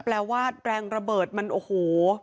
แปลว่าแรงระเบิดมันโอ้โห